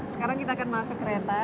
sekarang kita akan masuk kereta